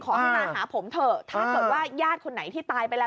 ขอให้มาหาผมเถอะถ้าเกิดว่าญาติคนไหนที่ตายไปแล้ว